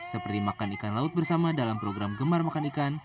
seperti makan ikan laut bersama dalam program gemar makan ikan